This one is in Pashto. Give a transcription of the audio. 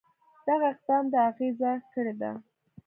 دغه اقدام د اغېزه کړې ده.